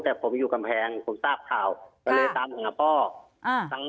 แต่ผมอยู่กำแพงผมทราบข่าวก็เลยตามหาพ่ออ่า